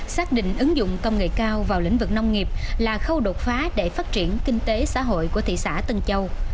xác định ứng dụng công nghệ cao vào lĩnh vực nông nghiệp là khâu đột phá để phát triển kinh tế xã hội của thị xã tân châu